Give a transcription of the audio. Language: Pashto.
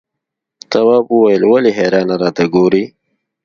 تواب وويل: ولې حیرانې راته ګوري؟